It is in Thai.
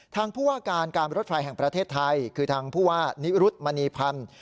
ทางผู้ว่าการการรถไฟแห่งประเทศไทยคือทางผู้ว่านิรุธมณีพันธ์